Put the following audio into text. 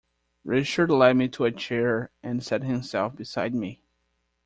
Richard led me to a chair and sat himself beside me.